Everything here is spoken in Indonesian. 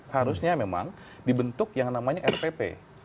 harusnya memang dibentuk yang namanya rpp